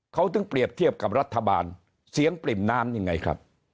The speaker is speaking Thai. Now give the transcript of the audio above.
เขาถึงเปรียบเทียบกับรัฐบาลเสียงปริ่มน้ำนี่ไงครับ